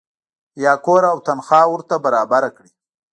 یا کور او تنخوا ورته برابره کړي.